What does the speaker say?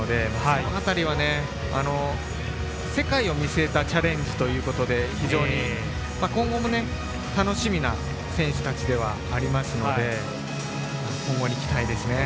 その辺りは、世界を見据えたチャレンジということで非常に今後も楽しみな選手たちではありますので今後に期待ですね。